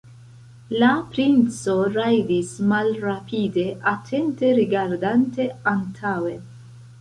La princo rajdis malrapide, atente rigardante antaŭen.